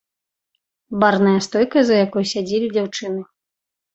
Барная стойка, за якой сядзелі дзяўчыны.